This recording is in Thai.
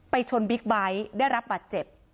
ชนบิ๊กไบท์ได้รับบาดเจ็บ